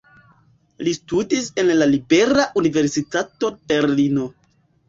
Li studis en la Libera Universitato Berlino.